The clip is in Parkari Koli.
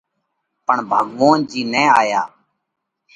پڻ ڀڳوونَ جِي نہ آيا۔